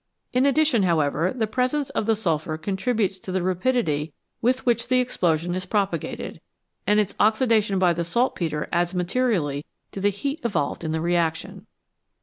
In addition, however, the presence of the sulphur contributes to the rapidity with which the explosion is propagated, and its oxidation by the saltpetre adds materially to the heat evolved in the reaction.